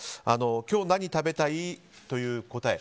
今日、何食べたい？という答え。